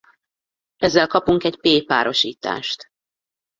Ezzel kapunk egy P párosítást.